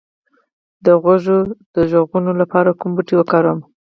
د غوږ د غږونو لپاره کوم بوټی وکاروم؟